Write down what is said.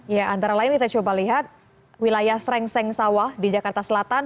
ya antara lain kita coba lihat wilayah srengseng sawah di jakarta selatan